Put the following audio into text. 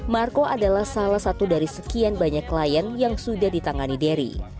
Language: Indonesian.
marco adalah salah satu dari sekian banyak klien yang sudah ditangani dery